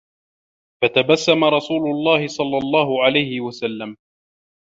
فَتَبَسَّمَ رَسُولُ اللَّهِ صَلَّى اللَّهُ عَلَيْهِ وَسَلَّمَ وَقَالَ